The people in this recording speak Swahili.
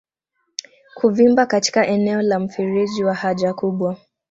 Kuvimba katika eneo la mfereji wa haja kubwa